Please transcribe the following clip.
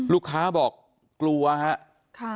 ลูกค้าบอกกลัวฮะ